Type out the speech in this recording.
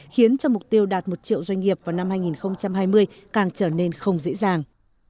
khiến cho mục tiêu đạt một triệu doanh nghiệp vào năm hai nghìn hai mươi càng trở nên không dễ dàng